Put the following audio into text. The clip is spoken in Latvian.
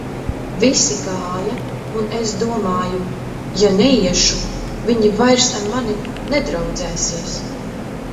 Visi gāja, un es domāju: ja neiešu, viņi vairs ar mani nedraudzēsies.